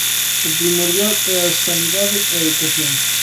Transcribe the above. O primordial é a sanidade e a educación.